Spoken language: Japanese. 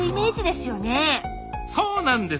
そうなんです。